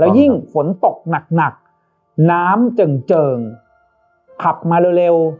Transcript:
แล้วยิ่งฝนตกหนักน้ำเจิ่งขับมาเร็ว